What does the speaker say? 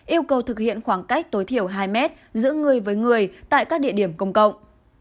yêu cầu thực hiện khoảng cách tối thiểu hai mét giữa người với người tại các địa điểm công cộng